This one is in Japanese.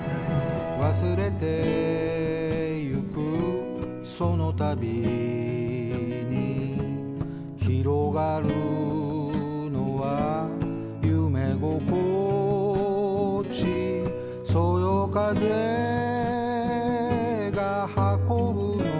「忘れてゆくそのたびにひろがるのは夢心地」「そよ風が運ぶのはかすかな緑の匂い」